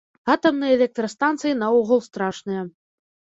Атамныя электрастанцыі наогул страшныя.